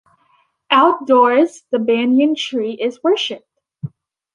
Outdoors, the banyan tree is worshiped.